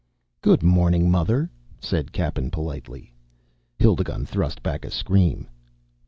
"Good morning, mother," said Cappen politely. Hildigund thrust back a scream.